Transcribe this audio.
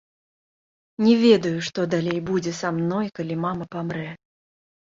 Не ведаю, што далей будзе са мной, калі мама памрэ.